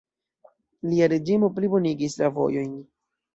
Lia reĝimo plibonigis la vojojn.